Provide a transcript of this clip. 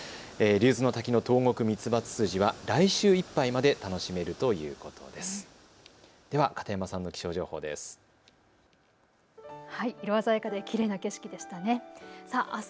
竜頭滝のトウゴクミツバツツジは来週いっぱいまで楽しめるということです。